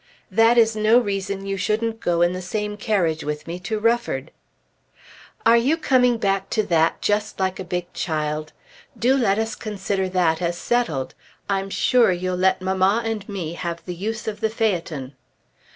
"That is no reason you shouldn't go in the same carriage with me to Rufford." "Are you coming back to that, just like a big child? Do let us consider that as settled. I'm sure you'll let mamma and me have the use of the phaeton."